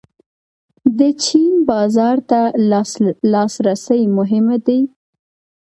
د چین بازار ته لاسرسی مهم دی